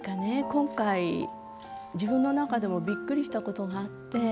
今回自分の中でもびっくりしたことがあって。